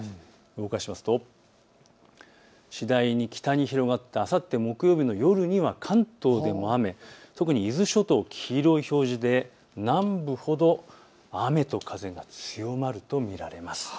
動かしますと次第に北に広がってあさって木曜日の夜には関東にも雨、特に伊豆諸島、黄色い表示で南部ほど雨と風が強まると見られます。